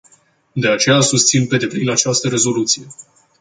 De aceea, susțin pe deplin această rezoluție.